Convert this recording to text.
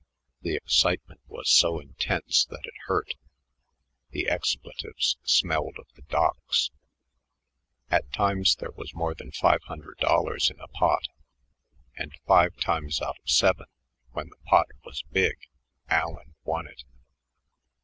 The excitement was so intense that it hurt; the expletives smelled of the docks. At times there was more than five hundred dollars in a pot, and five times out of seven when the pot was big, Allen won it.